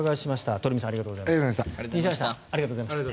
鳥海さん、西成さんありがとうございました。